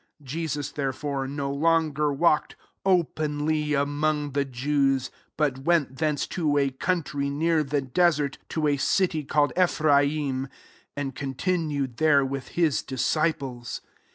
54 Jesus, therefore, no longer walked openly among the Jews ; but went thence to a country near the desert, to a city called Ephraim ; and con tinued there, with his disciples.